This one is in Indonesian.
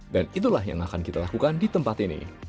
dan itulah yang akan kita lakukan di tempat ini